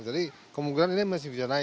jadi kemungkinan ini masih bisa naik